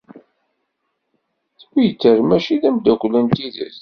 Twitter mačči d amdakel n tidet.